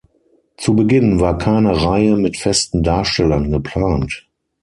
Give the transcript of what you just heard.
Zu Beginn war keine Reihe mit festen Darstellern geplant.